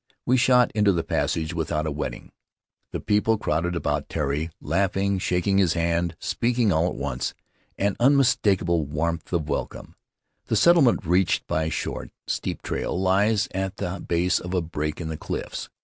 We shot into the passage without a wetting; the people crowded about Tari, laughing, shaking his hand, speaking all at once —■ an unmistakable warmth of welcome. The settlement, reached by a short, steep trail, lies at the base of a break in the cliffs.